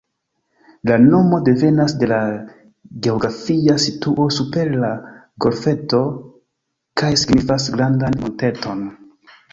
La nomo devenas de la geografia situo super la golfeto kaj signifas ""grandan monteton"".